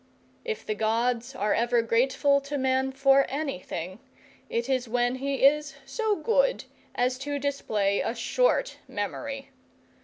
If the gods are ever grateful to man for anything, it is when he is so good as to display a short memory.